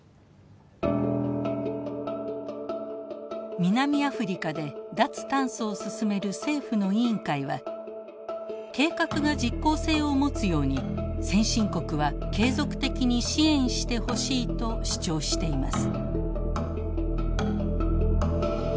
南アフリカで脱炭素を進める政府の委員会は計画が実効性を持つように先進国は継続的に支援してほしいと主張しています。